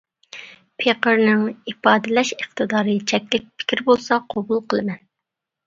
پېقىرنىڭ ئىپادىلەش ئىقتىدارى چەكلىك، پىكىر بولسا قوبۇل قىلىمەن.